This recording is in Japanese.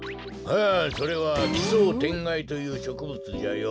あそれは奇想天外というしょくぶつじゃよ。